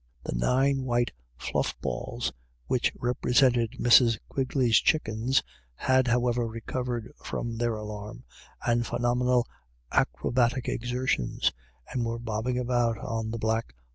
The nine white fluff balls which represented Mrs. Quigley's chuckens, had, however, recovered from their alarm and phenomenal acrobatic exertions, and were bobbing about on the black A WET DAY.